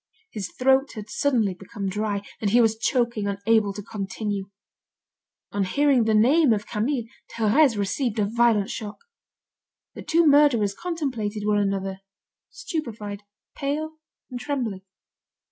His throat had suddenly become dry, and he was choking, unable to continue. On hearing the name of Camille, Thérèse received a violent shock. The two murderers contemplated one another, stupefied, pale, and trembling.